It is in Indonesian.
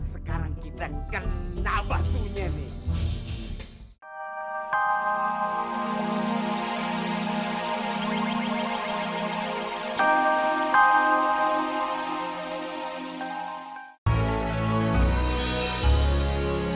sekarang kita kan nabah punya nih